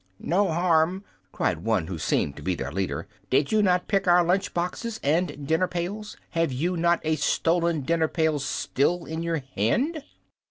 "No harm!" cried one who seemed to be their leader. "Did you not pick our lunch boxes and dinner pails? Have you not a stolen dinner pail still in your hand?"